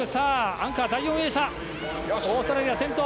アンカー、第４泳者オーストラリアが先頭。